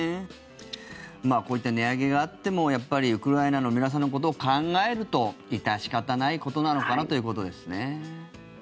こういった値上げがあってもウクライナの皆さんのことを考えると致し方ないことなのかなということですね。